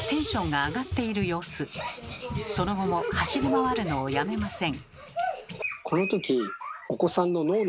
その後も走り回るのをやめません。